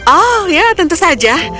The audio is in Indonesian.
oh ya tentu saja